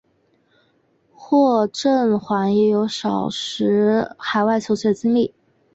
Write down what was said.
霍震寰也有少时海外求学的经历。